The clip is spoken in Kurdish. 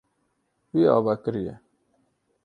Wî ava kiriye.